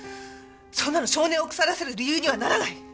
そんなの性根を腐らせる理由にはならない！